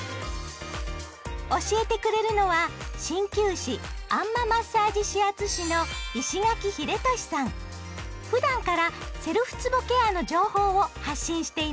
教えてくれるのは鍼灸師あん摩マッサージ指圧師のふだんからセルフつぼケアの情報を発信しています。